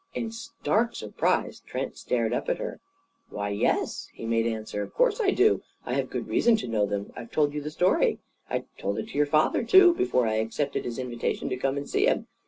In stark surprise Trent stared up at her. "Why, yes!" he made answer. "Of course I do. I have good reason to know them. I've told you the story. I told it to your father, too, before I accepted his invitation to come and see him.